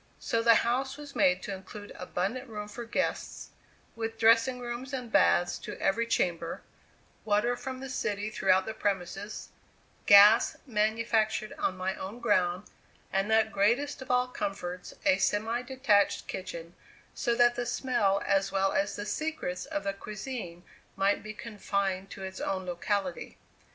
So the house was made to include abundant room for guests, with dressing rooms and baths to every chamber; water from the city throughout the premises; gas, manufactured on my own ground; and that greatest of all comforts, a semi detached kitchen, so that the smell as well as the secrets of the cuisine might be confined to its own locality.